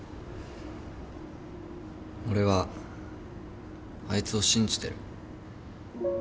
俺はあいつを信じてる。